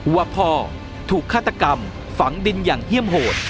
ว่าพ่อถูกฆาตกรรมฝังดินอย่างเยี่ยมโหด